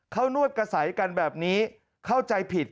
เขานวดกระใสกันแบบนี้เข้าใจผิด